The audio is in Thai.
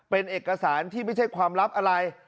เป็นเอกสารที่ไม่ใช่ความลับอะไร